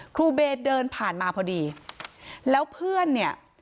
ครูเบย์เดินผ่านมาพอดีแล้วเพื่อนเนี่ย